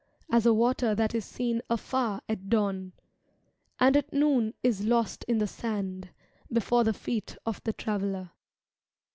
As a water that is seen afar at dawn, And at noon is lost in the sand Before the fi^et of the traveller.